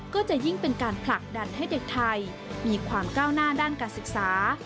ก็จะยิ่งเป็นการผลักดันให้เด็กไทยมีความก้าวหน้าด้านการศึกษา